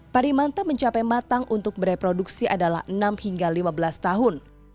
parimanta mencapai matang untuk bereproduksi adalah enam hingga lima belas tahun